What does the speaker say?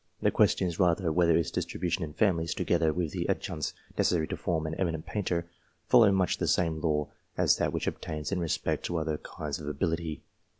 The question is rather, whether its distribution in families, together with the adjuncts necessary to form an eminent painter, follows much the same law as that which obtains in respect to other kinds of ability.